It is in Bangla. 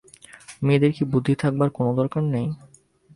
মেয়েদের কি বুদ্ধি থাকবার কোনো দরকার নেই?